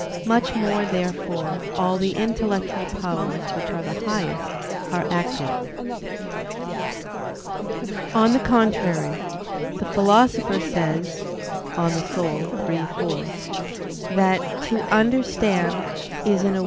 Much more, therefore, all the intellectual powers, which are the highest, are active. On the contrary, The Philosopher says (De Anima iii, 4) that "to understand is in a way to be passive."